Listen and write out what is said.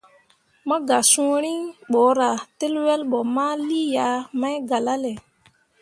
Mo gah sũũ riŋ borah tǝl wel bo ma lii yah mai galale.